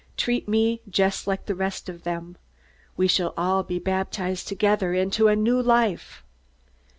"Treat me just like the rest of them. We shall all be baptized together into a new life."